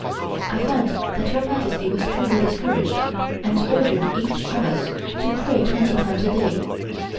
I found that Her Majesty was truly discouraged, and ordered each of us to pray twenty times a day.